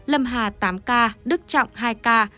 lâm hà tám ca đức trọng hai ca